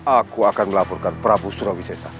aku akan melaporkan prabu surawisesa